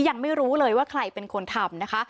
ยังไม่รู้เลยว่าใครเป็นคนทำนะคะ